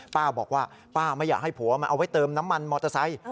ป้าบอกว่าป้าไม่อยากให้ผัวมันเอาไว้เติมน้ำมันมอเตอร์ไซค์